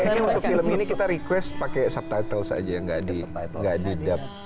tapi kayaknya untuk film ini kita request pakai subtitle saja nggak di dub